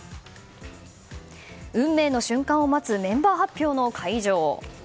運命の瞬間を待つメンバー発表の会場。